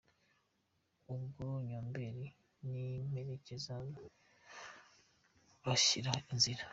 Ubwo Nyombeli n’imperekeza ze bashyira nzira.